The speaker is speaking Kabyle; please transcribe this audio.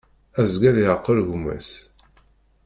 Azger yeƐqel gma-s.